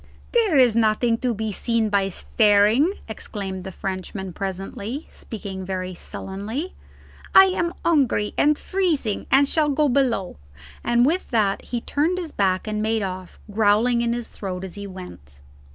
"There is nothing to be seen by staring!" exclaimed the Frenchman presently, speaking very sullenly. "I am hungry and freezing, and shall go below!" And with that he turned his back and made off, growling in his throat as he went.